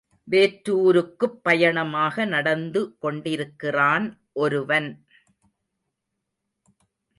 வேற்றூர்க்குப் பயணமாக நடந்து கொண்டிருக்கிறான் ஒருவன்.